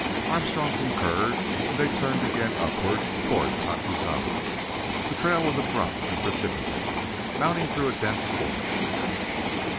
Armstrong concurred, and they turned again upward toward Tacuzama. The trail was abrupt and precipitous, mounting through a dense forest.